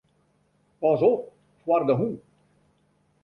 Pas op foar de hûn.